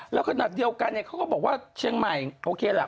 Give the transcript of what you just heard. แล้วขนาดเดียวกันเนี่ยเขาก็บอกว่าเชียงใหม่โอเคล่ะ